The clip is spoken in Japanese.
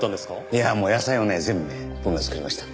いやあもう野菜は全部ね僕が作りました。